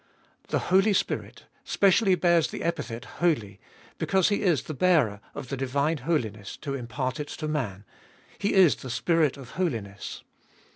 The Holy Spirit specially bears the epithet Holy, because He is the bearer of the divine holiness to impart it to man — He is the Spirit of holiness.